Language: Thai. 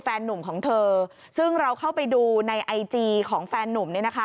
แฟนนุ่มของเธอซึ่งเราเข้าไปดูในไอจีของแฟนนุ่มเนี่ยนะคะ